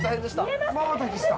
◆まばたきした。